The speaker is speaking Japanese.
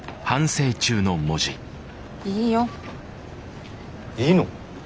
いいよ。いいの？